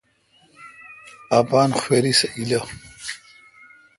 اپان خوِری سہ ایلہ۔